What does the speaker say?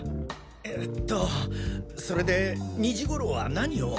えっとそれで２時頃は何を？